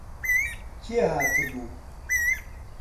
کێ هاتبوو؟